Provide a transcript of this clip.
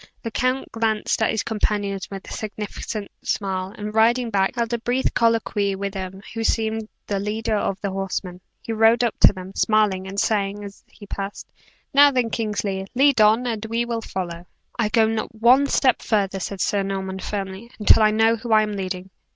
The count glanced at his companions with a significant smile, and riding back, held a brief colloquy with him who seemed the leader of the horsemen. He rode up to them, smiling still, and saying, as he passed, "Now then, Kingsley; lead on, and we will follow!" "I go not one step further," said Sir Norman, firmly, "until I know who I am leading.